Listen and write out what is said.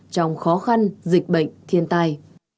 trong khó khăn dịch bệnh thiên tai